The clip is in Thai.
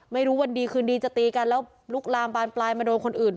วันดีคืนดีจะตีกันแล้วลุกลามบานปลายมาโดนคนอื่น